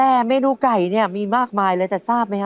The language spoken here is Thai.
เออผัดกะเพราไก่